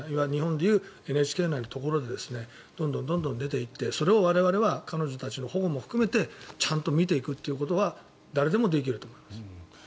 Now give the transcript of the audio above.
日本でいうとＮＨＫのところでどんどん出ていってそれを我々は彼女たちの保護も含めてちゃんと見ていくということは誰でもできると思います。